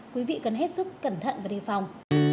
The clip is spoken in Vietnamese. quý vị cần hết sức cẩn thận và đề phòng